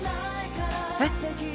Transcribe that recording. えっ？